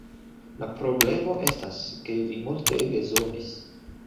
La problemo estas, ke vi multege zomis